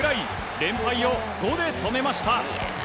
連敗を５で止めました。